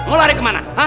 mau lari kemana